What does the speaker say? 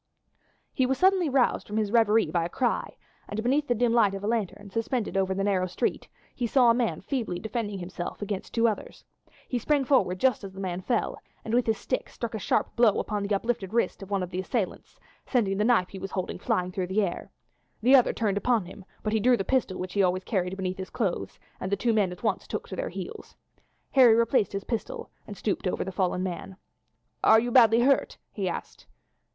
He was suddenly roused from his reverie by a cry, and beneath the dim light of a lantern, suspended over the narrow street, he saw a man feebly defending himself against two others. He sprang forward just as the man fell, and with his stick struck a sharp blow on the uplifted wrist of one of the assailants, sending the knife he was holding flying through the air. The other turned upon him, but he drew the pistol which he always carried beneath his clothes, and the two men at once took to their heels. Harry replaced his pistol and stooped over the fallen man. "Are you badly hurt?" he asked.